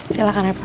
silahkan ya pak